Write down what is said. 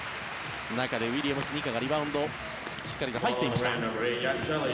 中でウィリアムス・ニカがリバウンドしっかりと入っていました。